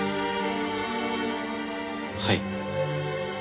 はい。